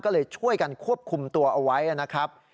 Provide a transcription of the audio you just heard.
ก็เลยช่วยกันควบคุมตัวเอาไว้นะครับ